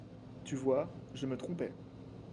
Tu vois, je me trompais.